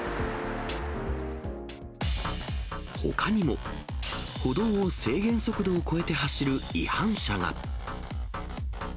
ほかにも歩道を制限速度を超えて走る違反車が。